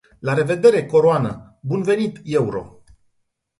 La revedere, coroană, bun venit, euro.